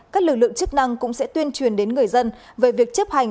các lực lượng chức năng cũng sẽ tuyên truyền đến người dân về việc chấp hành